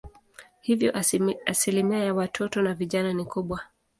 Hivyo asilimia ya watoto na vijana ni kubwa.